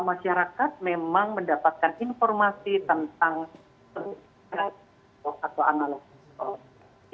masyarakat memang mendapatkan informasi tentang tersebut atau analog